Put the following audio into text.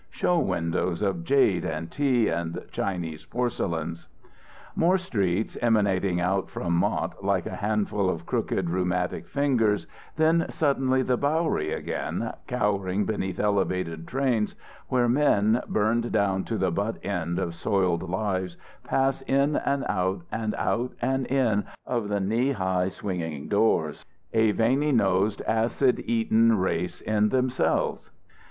Show windows of jade and tea and Chinese porcelains. More streets emanating out from Mott like a handful of crooked, rheumatic fingers, then suddenly the Bowery again, cowering beneath elevated trains, where men, burned down to the butt end of soiled lives, pass in and out and out and in of the knee high swinging doors a veiny nosed, acid eaten race in themselves.